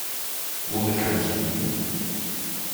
Womit kann ich dienen?